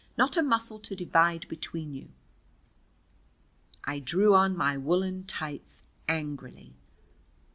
Not a muscle to divide between you!" I drew on my woolen tights angrily.